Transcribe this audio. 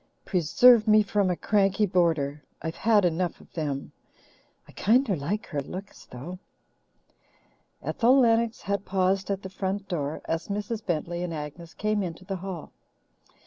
Preserve me from a cranky boarder! I've had enough of them. I kinder like her looks, though." Ethel Lennox had paused at the front door as Mrs. Bentley and Agnes came into the hall.